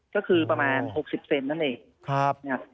ก็คือประมาณ๖๐เซนนั่นเอง